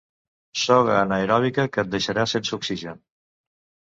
Soga anaeròbica que et deixarà sense oxigen.